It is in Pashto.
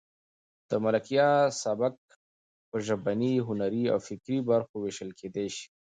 د ملکیار سبک په ژبني، هنري او فکري برخو وېشل کېدای شي.